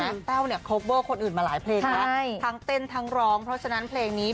คุณแต้วเนี่ยโคเวอร์คนอื่นมาหลายเพลงแล้วทั้งเต้นทั้งร้องเพราะฉะนั้นเพลงนี้